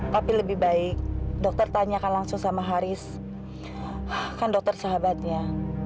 tapi lebih baik dokter tanyakan langsung sama haris kan dokter sahabatnya